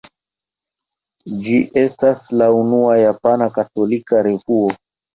Ĝi estas la unua japana katolika revuo.